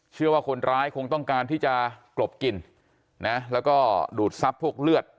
เชื่อว่าคนร้ายคงต้องการที่จะกลบกินนะแล้วก็ดูดทรัพย์พวกเลือด